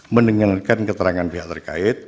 mendengarkan keterangan pihak terkait